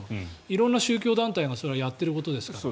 色んな宗教団体がやっていることですから。